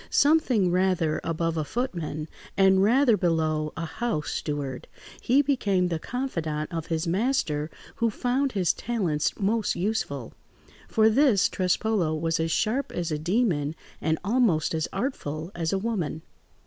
Something rather above a footman and rather below a house steward, he became the confidant of his master, who found his talents most useful; for this Trespolo was as sharp as a demon and almost as artful as a woman.